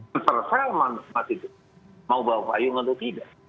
terserah emang mau bawa payung atau tidak